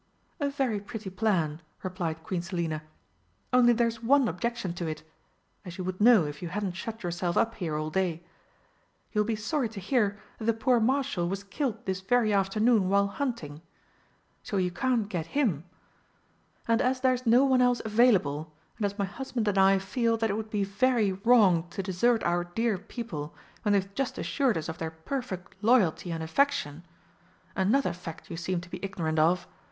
"A very pretty plan!" replied Queen Selina, "only there's one objection to it, as you would know if you hadn't shut yourselves up here all day. You will be sorry to hear that the poor Marshal was killed this very afternoon while hunting. So you can't get him. And, as there's no one else available, and as my husband and I feel that it would be very wrong to desert our dear people when they've just assured us of their perfect loyalty and affection (another fact you seem to be ignorant of!)